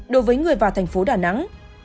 đối với người vào tp đà nẵng